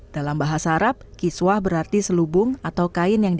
dana yang dipakai untuk membuat kiswah